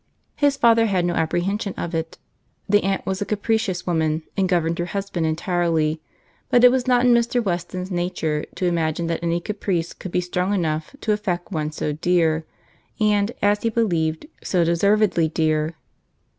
His father had no apprehension of it. The aunt was a capricious woman, and governed her husband entirely; but it was not in Mr. Weston's nature to imagine that any caprice could be strong enough to affect one so dear, and, as he believed, so deservedly dear.